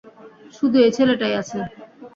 শুধু এই ছেলেটাই আছে।